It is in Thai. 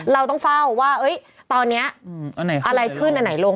เราต้องเฝ้าว่าตอนนี้อะไรขึ้นอันไหนลง